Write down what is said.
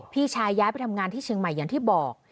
พี่ชายย้ายไปทำงานที่เชียงใหม่อย่างที่บอก